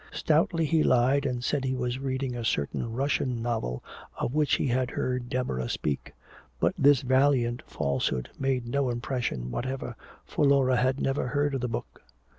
Stoutly he lied and said he was reading a certain Russian novel of which he had heard Deborah speak. But this valiant falsehood made no impression whatever, for Laura had never heard of the book.